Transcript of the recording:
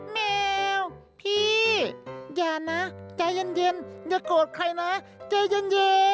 แมวพี่อย่านะใจเย็นอย่าโกรธใครนะใจเย็น